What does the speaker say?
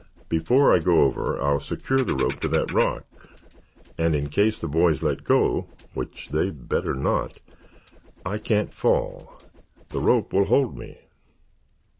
Before I go over I'll secure the rope to that rock, and in case the boys let go, which they'd better not, I can't fall; the rope will hold me."